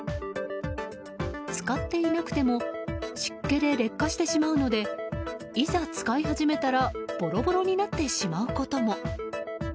使っていなくても湿気で劣化してしまうのでいざ使い始めたらボロボロになってしまうことも。